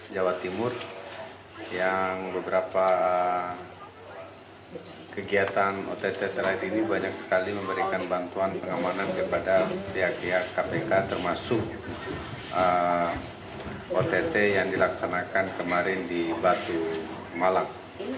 jawa timur yang beberapa kegiatan ott terakhir ini banyak sekali memberikan bantuan pengamanan kepada pihak pihak kpk termasuk ott yang dilaksanakan kemarin di batu malang